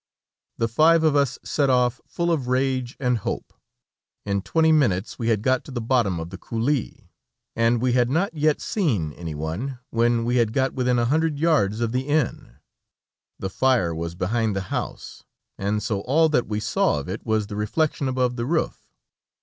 The five of us set off, full of rage and hope. In twenty minutes we had got to the bottom of the coulée, and we had not yet seen anyone, when we had got within a hundred yards of the inn. The fire was behind the house, and so all that we saw of it was the reflection above the roof.